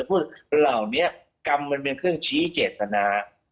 พอเราเนี่ยกรรมเป็นเครื่องชี้เจตนา